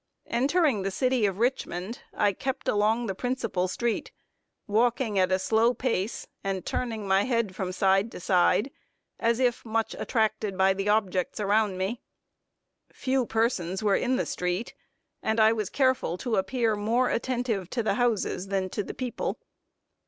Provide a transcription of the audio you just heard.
Entering the city of Richmond, I kept along the principal street, walking at a slow pace, and turning my head from side to side, as if much attracted by the objects around me. Few persons were in the street, and I was careful to appear more attentive to the houses than to the people.